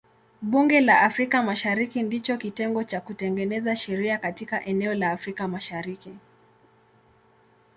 Bunge la Afrika Mashariki ndicho kitengo cha kutengeneza sheria katika eneo la Afrika Mashariki.